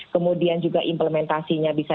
kemudian juga implementasinya bisa